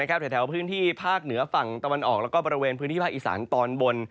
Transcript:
แถวพื้นที่ภาคเหนือฝั่งตะวันออกแล้วก็บริเวณพื้นที่ภาคอีสานตอนบน